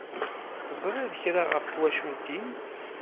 Teẓṛiḍ kra ɣef twacult-im?